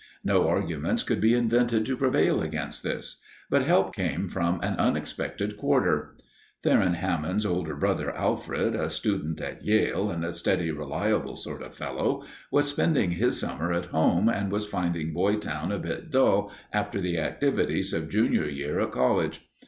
No arguments could be invented to prevail against this. But help came from an unexpected quarter. Theron Hammond's older brother, Alfred, a student at Yale and a steady, reliable sort of fellow, was spending his summer at home and was finding Boytown a bit dull after the activities of Junior year at college.